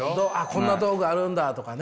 こんな道具あるんだとかね。